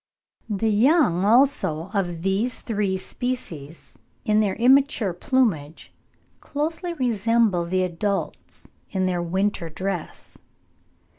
The young also of these three species in their immature plumage closely resemble the adults in their winter dress.